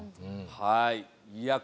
はい。